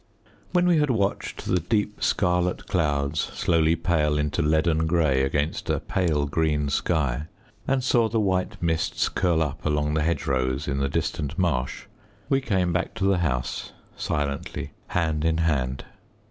When we had watched the deep scarlet clouds slowly pale into leaden grey against a pale green sky, and saw the white mists curl up along the hedgerows in the distant marsh, we came back to the house, silently, hand in hand.